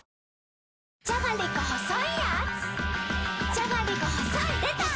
じゃがりこ細いやーつ